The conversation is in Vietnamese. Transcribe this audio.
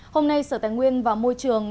hôm nay sở tài nguyên và môi trường